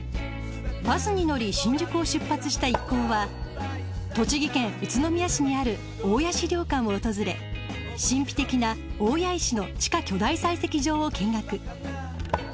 バスに乗り新宿を出発した一行は栃木県宇都宮市にある大谷資料館を訪れ神秘的な大谷石の地下巨大採石場を見学。